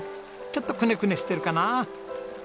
ちょっとクネクネしてるかな。